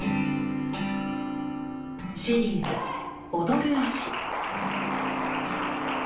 シリーズ「踊る足」。